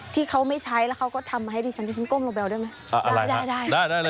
ที่เขาไม่ใช้แล้วเขาก็ทำให้ดิฉันดิฉันก้มเบาได้ไหม